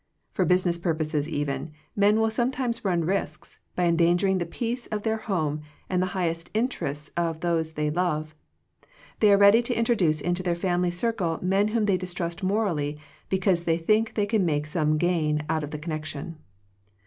For business purposes even, men will some times run risks, by endangering the peace of their home and the highest interests of those they love; they are ready to intro duce into their family circle men whom they distrust morally, because they think they can make some gain out of the con nection.